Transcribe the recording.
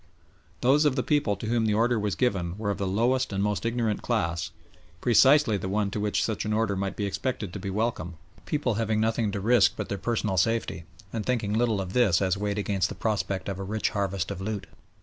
Those of the people to whom the order was given were of the lowest and most ignorant class, precisely the one to which such an order might be expected to be welcome, people having nothing to risk but their personal safety, and thinking little of this as weighed against the prospect of a rich harvest of loot.